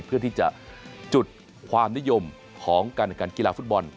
เพื่อที่จะจุดความนิยมของการแข่งขันกีฬาฟุตบอล